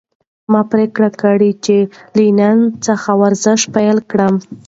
ما پریکړه کړې چې له نن څخه ورزش پیل کړم.